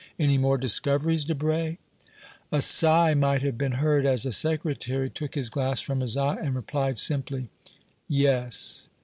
"Any more discoveries, Debray?" A sigh might have been heard as the Secretary took his glass from his eye, and replied simply: "Yes."